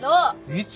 いつ？